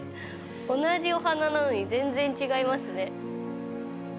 同じお花なのに全然違いますね。